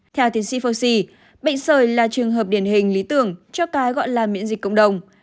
theo tiến sĩ faosi bệnh sởi là trường hợp điển hình lý tưởng cho cái gọi là miễn dịch cộng đồng